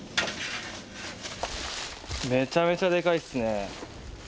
めちゃめちゃでかいですね。